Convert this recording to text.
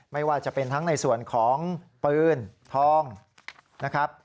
ไม่ว่าจะเป็นทั้งในส่วนของปืนทองนะครับ